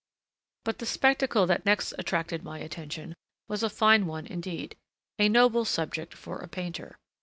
But the spectacle that next attracted my attention was a fine one indeed, a noble subject for a painter.